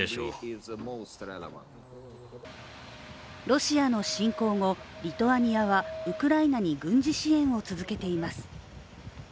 ロシアの侵攻後、リトアニアはウクライナに軍事支援を続けています。